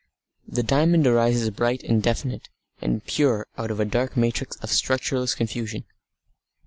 The diamond arises bright, definite, and pure out of a dark matrix of structureless confusion.